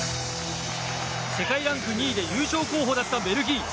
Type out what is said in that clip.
世界ランク２位で優勝候補だったベルギー。